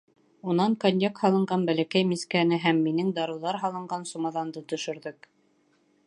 Унан коньяк һалынған бәләкәй мискәне һәм минең дарыуҙар һалынған сумаҙанды төшөрҙөк.